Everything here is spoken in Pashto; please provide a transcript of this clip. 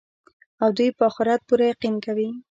او دوى په آخرت پوره يقين كوي